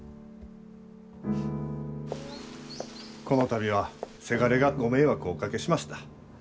この度はせがれがご迷惑をおかけしました。